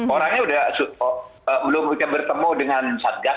orangnya belum bisa bertemu dengan satgas